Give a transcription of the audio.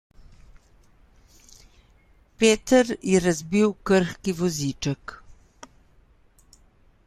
Peter je razbil krhki voziček.